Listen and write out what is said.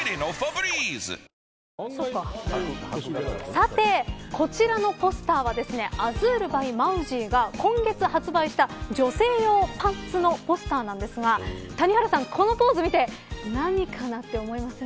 さて、こちらのポスターはアズールバイマウジーが今月発売した女性用パンツのポスターなんですが谷原さん、このポーズ見て何かなと思いません。